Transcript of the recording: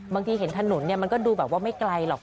บางทีเห็นถนนมันก็ดูแบบว่าไม่ไกลหรอก